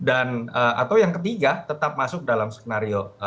atau yang ketiga tetap masuk dalam skenario